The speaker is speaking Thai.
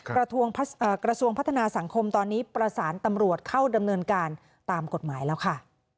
กระทรวงพัฒนาสังคมตอนนี้ประสานตำรวจเข้าดำเนินการตามกฎหมายแล้วค่ะ